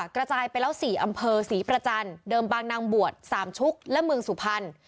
กระจายไปแล้ว๔อำเภอศรีประจันทร์เดิมบางนางบวชสามชุกและเมืองสุพรรณ